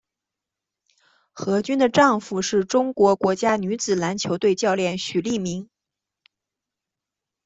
何军的丈夫是中国国家女子篮球队教练许利民。